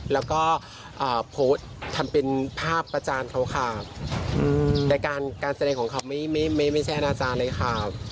แล้วก็โพสต์ทำเป็นภาพประจานเขาค่ะแต่การแสดงของเขาไม่ใช่อนาจารย์เลยค่ะ